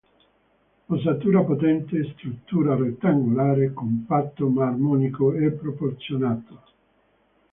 Ossatura potente, struttura rettangolare, compatto ma armonico e proporzionato.